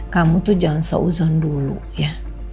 kamu tuh jangan seuzon dulu ya